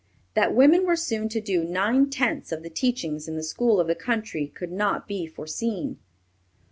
That women were soon to do nine tenths of the teaching in the schools of the country could not be foreseen.